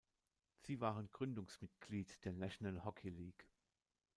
Sie waren Gründungsmitglied der National Hockey League.